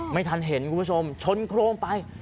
ไม่ทันเห็นคุณผู้ชมชนโครมไป